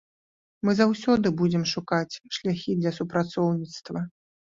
Мы заўсёды будзем шукаць шляхі для супрацоўніцтва.